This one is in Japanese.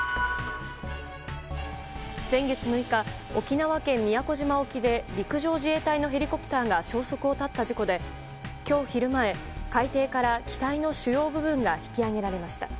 先月６日、沖縄県宮古島沖で陸上自衛隊のヘリコプターが消息を絶った事故で今日昼前、海底から機体の主要部分が引き揚げられました。